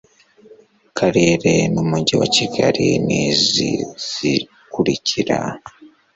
karere n umujyi wa kigali ni izi zikurikira